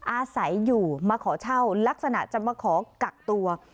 อาศัยอยู่มาขอเช่าลักษณะจะมาขอกักตัว